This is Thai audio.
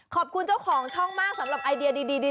ขอบคุณเจ้าของช่องมากสำหรับไอเดียดี